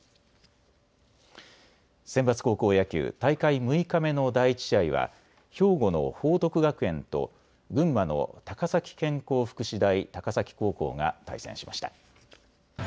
センバツ高校野球、大会６日目の第１試合は兵庫の報徳学園と群馬の高崎健康福祉大高崎高校が対戦しました。